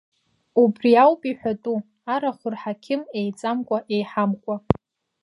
Убри ауп иҳәатәу арахә рҳақьым, еиҵамкәа, еиҳамкәа!